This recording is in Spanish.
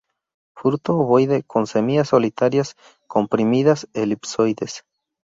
Fruto ovoide, con semillas solitarias, comprimidas, elipsoides.